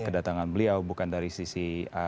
kedatangan beliau bukan dari sisi